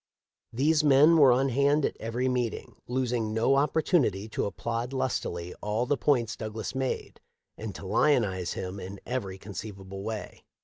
These men were on hand at every meeting, losing no opportunity to applaud lustily all the points Douglas made and to lionize him in every conceivable way.